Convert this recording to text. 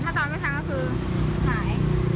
ถ้าตอนไม่ทันก็คือหาย